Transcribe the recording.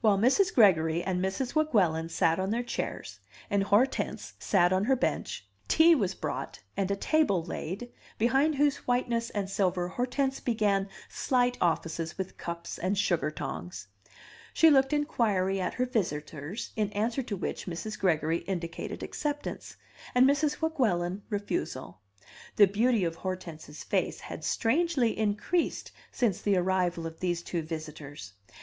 While Mrs. Gregory and Mrs. Weguelin sat on their chairs, and Hortense sat on her bench, tea was brought and a table laid, behind whose whiteness and silver Hortense began slight offices with cups and sugar tongs. She looked inquiry at her visitors, in answer to which Mrs. Gregory indicated acceptance, and Mrs. Weguelin refusal. The beauty of Hortense's face had strangely increased since the arrival of these two visitors.